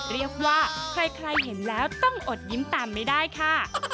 เรียกว่าใครเห็นแล้วต้องอดยิ้มตามไม่ได้ค่ะ